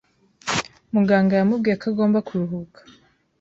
Muganga yamubwiye ko agomba kuruhuka.